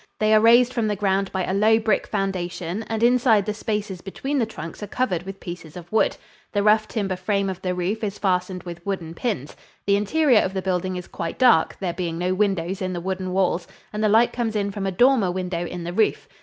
They are raised from the ground by a low brick foundation, and inside the spaces between the trunks are covered with pieces of wood. The rough timber frame of the roof is fastened with wooden pins. The interior of the building is quite dark, there being no windows in the wooden walls, and the light comes in from a dormer window in the roof.